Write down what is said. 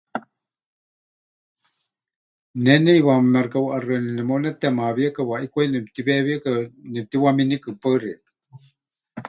Ne neʼiwaáma mexɨkaʼuʼaxɨáni nemeunetemaawíeka, waʼikwai nemɨtiweewíeka nemɨtiwaminikɨ. Paɨ xeikɨ́a.